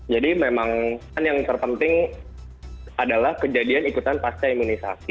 jadi memang kan yang terpenting adalah kejadian ikutan pasca imunisasi